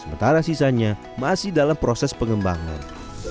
sebelum diambilkan durian sementara sisanya masih dalam proses pengembangan